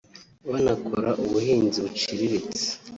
banakora ubuhinzi buciriritse